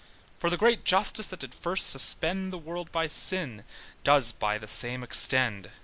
For the great justice that did first suspend The world by sin, does by the same extend.